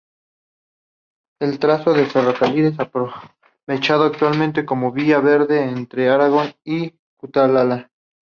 El trazado del ferrocarril es aprovechado actualmente como vía verde entre Aragón y Cataluña.